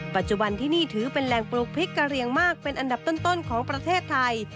ปัจจุบันที่นี่ถือเป็นแหล่งปลูกพริกกะเรียงมากเป็นอันดับต้นของประเทศไทย